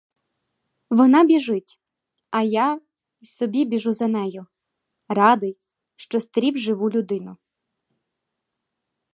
Вона біжить, а я й собі біжу за нею, радий, що стрів живу людину.